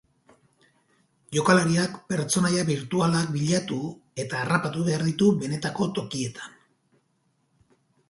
Jokalariak pertsonaia birtualak bilatu eta harrapatu behar ditu benetako tokietan.